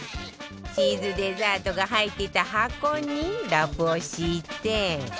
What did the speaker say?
チーズデザートが入っていた箱にラップを敷いて